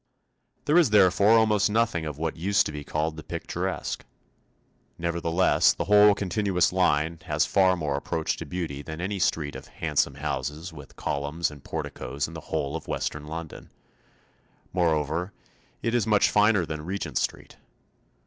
There is therefore almost nothing of what used to be called the picturesque. Nevertheless, the whole continuous line has far more approach to beauty than any street of 'handsome' houses with columns and porticoes in the whole of western London; moreover, it is much finer than Regent Street.